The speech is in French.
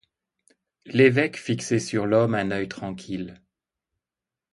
L'évêque fixait sur l'homme un oeil tranquille.